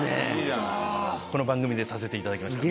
この番組でさせていただきました。